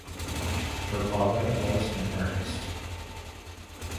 Her father was an artist.